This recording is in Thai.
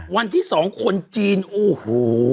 วันที่๒คนจีนโอ้โห